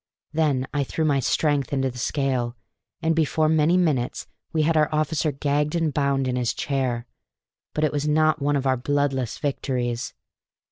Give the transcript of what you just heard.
Then I threw my strength into the scale; and before many minutes we had our officer gagged and bound in his chair. But it was not one of our bloodless victories.